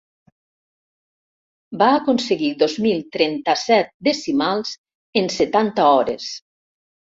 Va aconseguir dos mil trenta-set decimals en setanta hores.